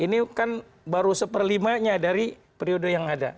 ini kan baru seperlimanya dari periode yang ada